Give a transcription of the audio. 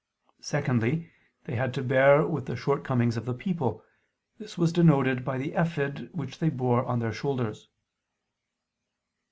Secondly, they had to bear with the shortcomings of the people: this was denoted by the ephod which they bore on their shoulders.